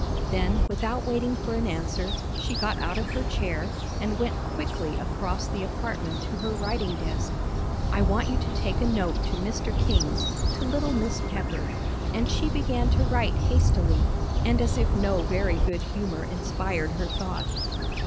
Then, without waiting for an answer, she got out of her chair, and went quickly across the apartment to her writing desk. "I want you to take a note to Mr. King's, to little Miss Pepper," and she began to write hastily, and as if no very good humor inspired her thought.